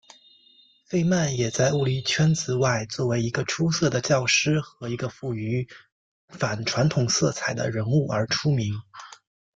费曼也在物理圈子外作为一个出色的教师和一个富于反传统色彩的人物而出名。